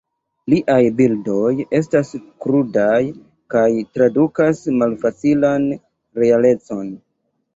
Liaj bildoj estas krudaj kaj tradukas malfacilan realecon.